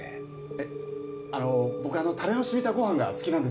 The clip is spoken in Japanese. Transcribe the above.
えっあの僕あのタレの染みたご飯が好きなんですよ。